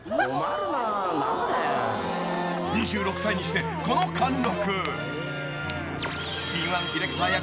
［２６歳にしてこの貫禄］